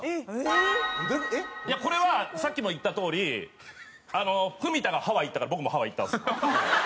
これはさっきも言ったとおり文田がハワイ行ったから僕もハワイ行ったんです。